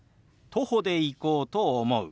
徒歩で行こうと思う。